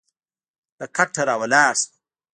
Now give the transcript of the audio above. له کټه راولاړ شوم.